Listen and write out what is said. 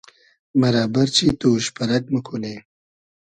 مئرۂ بئرچی تو اوش پئرئگ موکونی